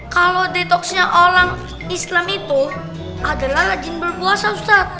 kalau detoksnya orang islam itu adalah rajin berpuasa ustadz